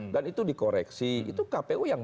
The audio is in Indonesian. dan itu dikoreksi itu kpu yang